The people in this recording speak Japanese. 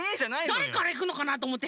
「だれからいくのかな？」とおもって。